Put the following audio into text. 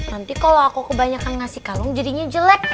nanti kalau aku kebanyakan ngasih kalung jadinya jelek